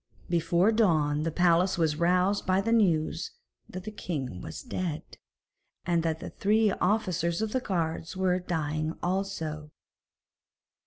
Before dawn the palace was roused by the news that the king was dead, and that the three officers of the guards were dying also.